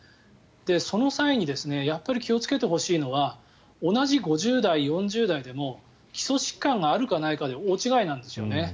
その際にやっぱり気をつけてほしいのは同じ５０代、４０代でも基礎疾患があるかないかで大違いなんですよね。